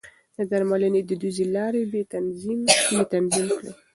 د درملنې دوديزې لارې يې تنظيم کړې.